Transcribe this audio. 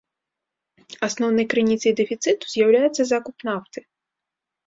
Асноўнай крыніцай дэфіцыту з'яўляецца закуп нафты.